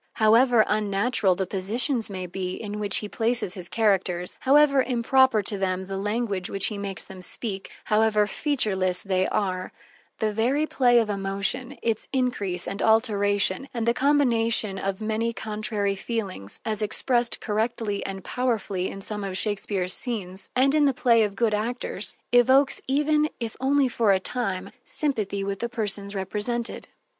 However unnatural the positions may be in which he places his characters, however improper to them the language which he makes them speak, however featureless they are, the very play of emotion, its increase, and alteration, and the combination of many contrary feelings, as expressed correctly and powerfully in some of Shakespeare's scenes, and in the play of good actors, evokes even, if only for a time, sympathy with the persons represented.